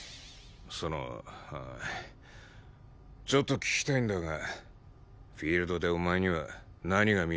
そのあーちょっと聞きたいんだがフィールドでお前には何が見えてる？